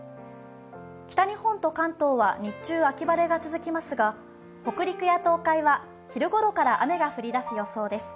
北日本と関東は日中、秋晴れが続きますが、北陸や東海は昼ごろから雨が降りだす予想です。